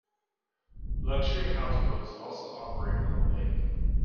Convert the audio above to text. Luxury houseboats also operate on the lake.